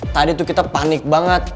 tadi tuh kita panik banget